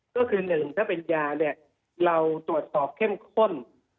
ก็คือหนึ่งถ้าเป็นยาเนี่ยเราตรวจสอบเข้มข้น